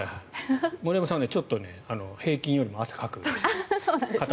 森山さんはちょっと平均よりも汗をかくので。